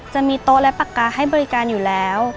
จะมีโต๊ะและปากกาให้บริการอยู่แล้ว